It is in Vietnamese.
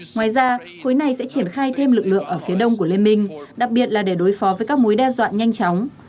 ngoài ra khối này sẽ triển khai thêm lực lượng ở phía đông của liên minh đặc biệt là để đối phó với các mối đe dọa nhanh chóng